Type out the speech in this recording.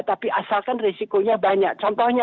tapi asalkan resikonya banyak